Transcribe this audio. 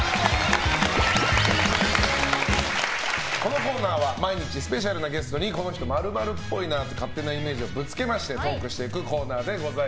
このコーナーは、毎日スペシャルなゲストにこの人○○っぽいという勝手なイメージをぶつけましてトークしていくコーナーです。